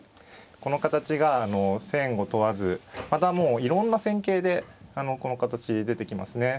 この形が先後問わずまたもういろんな戦型でこの形出てきますね。